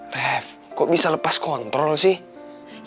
ref kok bisa lepas kontrol sih